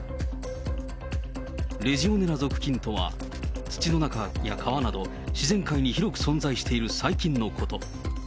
レジオネラ属菌とは、土の中や川など、自然界に広く存在している細菌のこと。